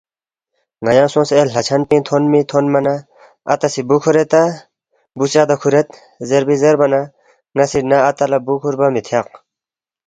ن٘یا سونگسے اے لا چھن پینگ تھونمی، تھونما نہ اتا سی بُو کُھوریدا بُو سی اتا کُھورید زیربی، زیربا نہ ن٘ا سی نہ اتا لہ بُو کُھوربا مِہ تھیاق